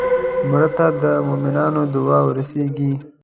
مړه ته د مومنانو دعا ورسېږي